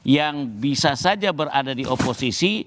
yang bisa saja berada di oposisi